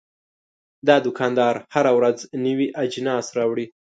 دا دوکاندار هره ورځ نوي اجناس راوړي.